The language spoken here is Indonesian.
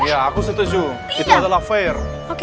ya aku setuju itu adalah fair